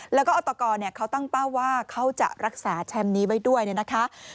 แล้วก็อัตกรเขาตั้งเป้าว่าเขาจะรักษาแชมป์นี้ไว้ด้วยเนี่ยนะคะ